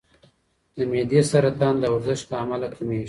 د معدې سرطان د ورزش له امله کمېږي.